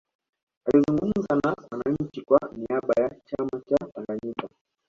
alizungumza na wananchi kwa niaba ya chama cha tanganyika